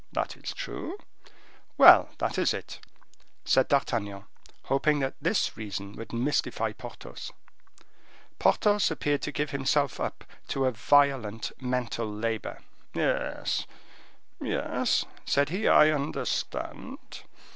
"That is true." "Well! that is it," said D'Artagnan, hoping that this reason would mystify Porthos. Porthos appeared to give himself up to a violent mental labor. "Yes, yes," said he, "I understand.